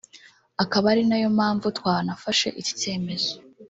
akaba ariyo mpanvu twanafashe iki cyemezo